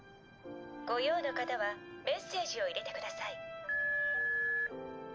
ご用の方はメッセージを入れてください。